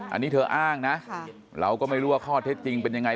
อันนี้เธออ้างนะเราก็ไม่รู้ว่าข้อเท็จจริงเป็นยังไง